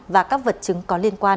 và các vật chứng có liên quan